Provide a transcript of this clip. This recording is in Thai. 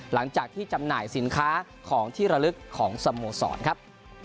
หลังจากที่จำหน่ายสินค้าของที่ระลึกของสโมสรครับ